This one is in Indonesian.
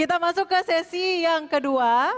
kita masuk ke sesi yang kedua